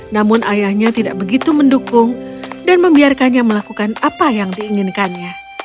namun ayahnya tidak begitu mendukung dan membiarkannya melakukan apa yang diinginkannya